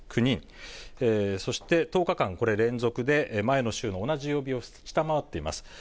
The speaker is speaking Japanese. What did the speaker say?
そして１０日間、これ連続で前の週の同じ曜日を下回っています。